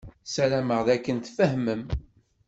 Ssarameɣ d akken tfehmem.